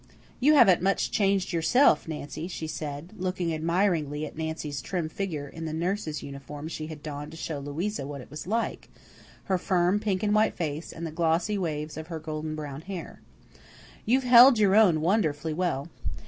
"You haven't changed much yourself, Nancy," she said, looking admiringly at Nancy's trim figure, in the nurse's uniform she had donned to show Louisa what it was like, her firm, pink and white face and the the glossy waves of her golden brown hair. "You've held your own wonderfully well."